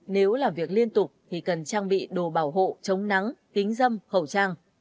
nếu làm việc liên tục thì cần trang bị đồ bảo hộ chống nắng kính dâm khẩu trang